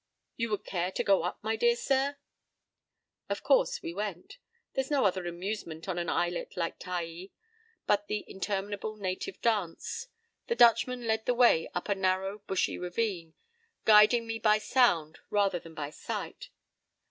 You would care to go up, my dear sir?" Of course we went. There's no other amusement in an islet like Taai but the interminable native dance. The Dutchman led the way up a narrow, bushy ravine, guiding me by sound rather than by sight.